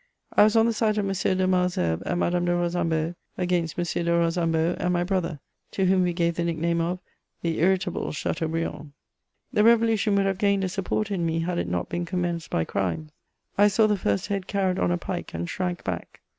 . I was on the side of M. de Malesherbes and Madame de Rosambo against M. de Rosambo and my brother, to whom we gave the nick name of " the irritable Chateaubriand," The Revolution would have gained a supporter in me had it not been commenced by crimes. I saw the first head carried on a pike, and shrank back.